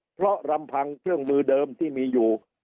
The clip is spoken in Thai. เพราะลำพังเครื่องมือเดิมที่มีอยู่